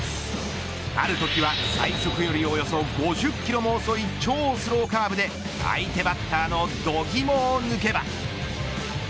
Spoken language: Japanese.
あるときは、最速よりおよそ５０キロも遅い超スローカーブで相手バッターの度肝を抜けば。